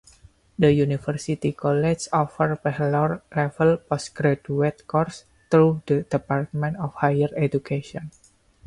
The university college offers bachelor-level post-graduate courses through the Department of Higher Education.